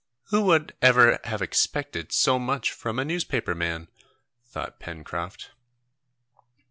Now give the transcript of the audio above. "Who would ever have expected so much from a newspaper man!" thought Pencroft.